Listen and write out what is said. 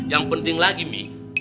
yang penting lagi mi